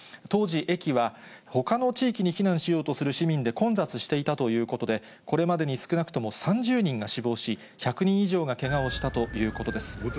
当時、駅はほかの地域に避難しようとする市民で混雑していたということで、これまでに少なくとも３０人が死亡し、１００人以上がけがをしたということです。